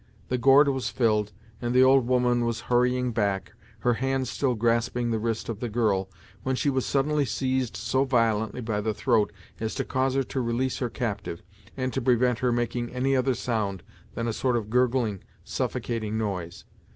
The gourd was filled, and the old woman was hurrying back, her hand still grasping the wrist of the girl, when she was suddenly seized so violently by the throat as to cause her to release her captive, and to prevent her making any other sound than a sort of gurgling, suffocating noise.